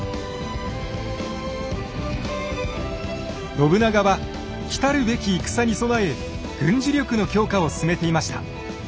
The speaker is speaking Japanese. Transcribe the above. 信長は来るべき戦に備え軍事力の強化を進めていました。